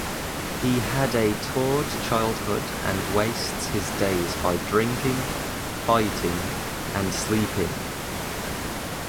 He had a tortured childhood and wastes his days by drinking, fighting, and sleeping.